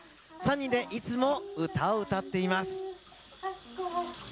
３人でいつも歌を歌っています。